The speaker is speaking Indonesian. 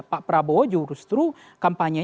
pak prabowo justru kampanye